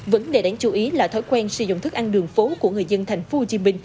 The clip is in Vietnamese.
vấn đề đáng chú ý là thói quen sử dụng thức ăn đường phố của người dân tp hcm